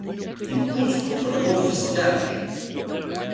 Une course contre la montre s'engage...